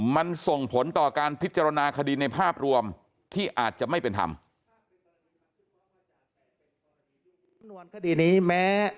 มันส่งผลต่อการพิจารณาคดีในภาพรวมที่อาจจะไม่เป็นธรรม